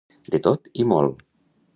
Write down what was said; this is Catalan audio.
De tot i molt.